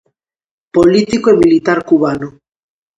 Político e militar cubano.